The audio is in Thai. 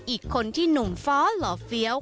อีกคนที่หนุ่มฟ้อหล่อเฟี้ยว